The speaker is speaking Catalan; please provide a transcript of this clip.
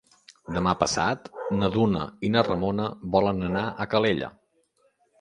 Demà passat na Duna i na Ramona volen anar a Calella.